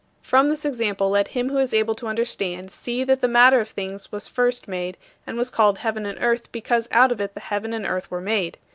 From this example, let him who is able to understand see that the matter of things was first made and was called "heaven and earth" because out of it the heaven and earth were made.